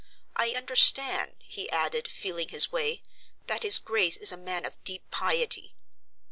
I understand," he added, feeling his way, "that his Grace is a man of deep piety."